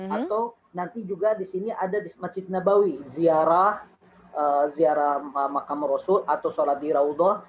atau nanti juga di sini ada di masjid nabawi ziarah makam rasul atau sholat di raudah